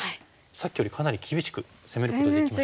さっきよりかなり厳しく攻めることができました。